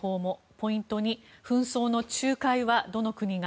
ポイント２紛争の仲介はどの国が？